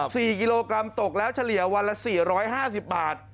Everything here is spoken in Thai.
สี่กิโลกรัมตกแล้วเฉลี่ยวันละสี่ร้อยห้าสิบบาท